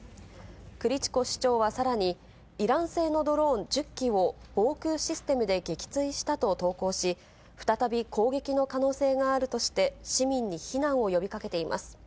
クリチコ市長は、さらにイラン製のドローン１０機を防空システムで撃墜したと投稿し、再び攻撃の可能性があるとして、市民に避難を呼びかけています。